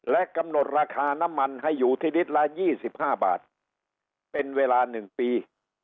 และกำหนดราคาน้ำมันให้อยู่ที่ลิตรละ๒๕บาทเป็นเวลา๑ปี